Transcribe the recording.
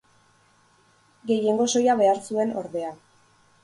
Gehiengo soila behar zuen, ordea.